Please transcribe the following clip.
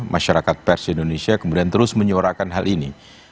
masyarakat pers di indonesia kemudian terus menyuarakan hal ini